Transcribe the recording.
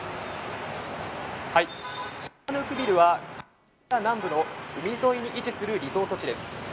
シアヌークビルはカンボジア南部の海沿いに位置するリゾート地です。